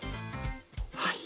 はい！